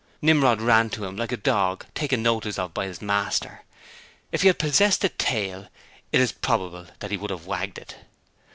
Nimrod ran to him like a dog taken notice of by his master: if he had possessed a tail, it is probable that he would have wagged it.